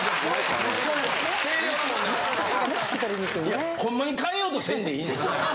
いやほんまに換えようとせんでいいんですよ。